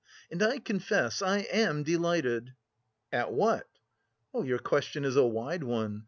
And I confess I am delighted..." "At what?" "Your question is a wide one.